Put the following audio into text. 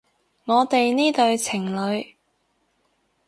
我哋呢對情侣